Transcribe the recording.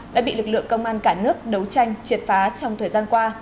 đã bị lực lượng công an cả nước đấu tranh triệt phá trong thời gian qua